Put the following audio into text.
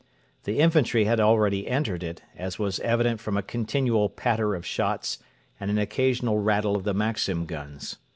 The infantry had already entered it, as was evident from a continual patter of shots and an occasional rattle of the Maxim guns.